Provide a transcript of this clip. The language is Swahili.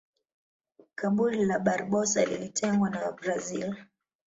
Kaburi la barbosa lilitengwa na wabrazil